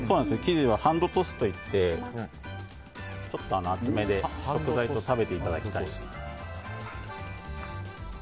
ハンドトスといってちょっと厚めで食材と食べていただきたい。